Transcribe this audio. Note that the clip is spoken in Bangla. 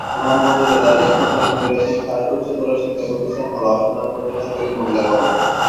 সুনামগঞ্জ জেলার একমাত্র মহিলা শিক্ষার উচ্চতর শিক্ষাপ্রতিষ্ঠান হলো সুনামগঞ্জ সরকারি মহিলা কলেজ।